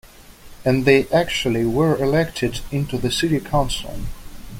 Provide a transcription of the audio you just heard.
And they actually were elected into the city council.